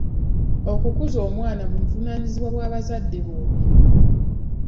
Okukuza omwana buvunaanyizibwa bw'abazadde bombi.